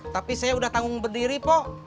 tapi saya udah tanggung berdiri po